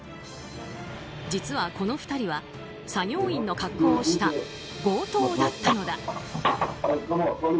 実はこの２人は作業員の格好をした強盗だったのだ。